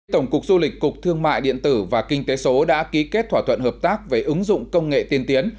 tổng cục du lịch cục thương mại điện tử và kinh tế số đã ký kết thỏa thuận hợp tác về ứng dụng công nghệ tiên tiến